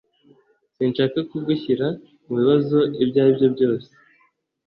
Sinshaka kugushyira mubibazo ibyo aribyo byose